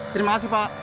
terima kasih pak